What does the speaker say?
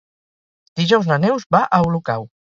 Dijous na Neus va a Olocau.